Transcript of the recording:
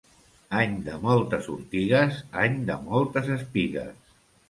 Any de moltes ortigues, any de moltes espigues.